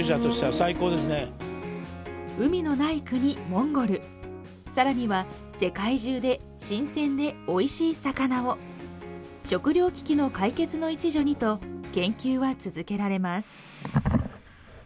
モンゴルさらには世界中で新鮮でおいしい魚を食糧危機の解決の一助にと研究は続けられます